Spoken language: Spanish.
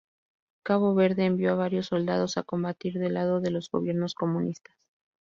Cabo Verde envió a varios soldados a combatir del lado de los gobiernos comunistas.